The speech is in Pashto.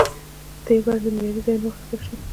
تیل باید له معياري ځایونو واخیستل شي.